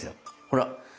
ほら。